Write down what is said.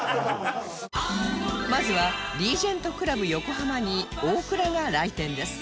まずはリージェントクラブ横浜に大倉が来店です